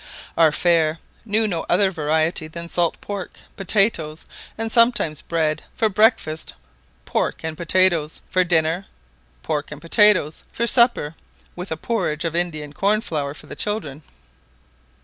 "Our fare knew no other variety than salt pork, potatoes, and sometimes bread, for breakfast; pork and potatoes for dinner; pork and potatoes for supper; with a porridge of Indian corn flour for the children.